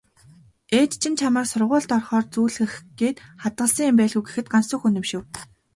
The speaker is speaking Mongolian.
"Ээж чинь чамайг сургуульд орохоор зүүлгэх гээд хадгалсан юм байлгүй" гэхэд Гансүх үнэмшив.